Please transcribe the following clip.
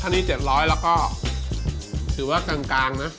ถ้านี้๗๐๐แล้วก็ถือว่ากลางนะ